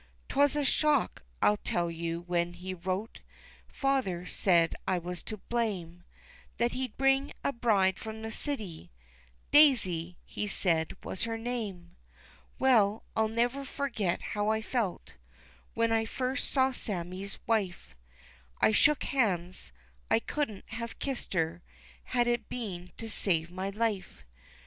'Twas a shock, I tell you, when he wrote (Father said I was to blame) That he'd bring a bride from the city Daisy, he said, was her name. Well, I'll never forget how I felt When I first saw Sammie's wife, I shook hands I couldn't have kissed her Had it been to save my life.